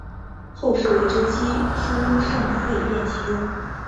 后世为之机抒胜复以便其用。